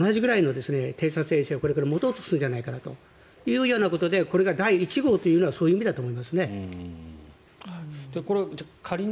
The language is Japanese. ですから、北朝鮮も韓国と日本と同じぐらいの偵察衛星を持とうとするんじゃないかということでこれが第１号というのはそういうことだと思います。